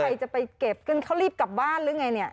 ต้องใครจะไปเก็บเขารีบกลับบ้านหรือไง